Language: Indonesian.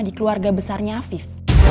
di keluarga besarnya afif